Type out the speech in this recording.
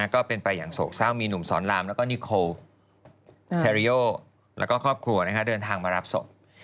ก็เป็นไปอย่างโศกเศร้ามีหนุ่มสอนรามแล้วก็นิโคแคริโยแล้วก็ครอบครัวเดินทางมารับศพ